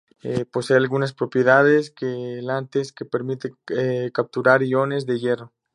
Posee algunas propiedades quelantes que permite capturar iones de hierro.